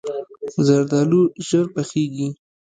زردالو ژر پخیږي.